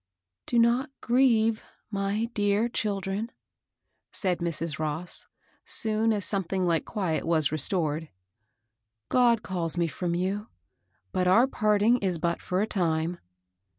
" Do not grieve, my dear children," said Mrs. Ross, soon as something like quiet was restored. " God calls me from you, but our parting is but for a time.